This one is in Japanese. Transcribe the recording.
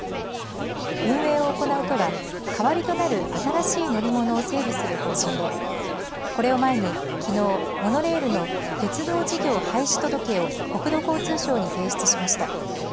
運営を行う都は、代わりとなる新しい乗り物を整備する方針で、これを前に、きのう、モノレールの鉄道事業廃止届を国土交通省に提出しました。